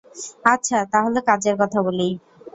আচ্ছা তাহলে কাজের কথা বলি।